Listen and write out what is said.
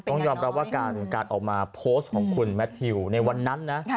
ต้องยอมรับว่าการออกมาโพสต์ของคุณแมททิวในวันนั้นนะ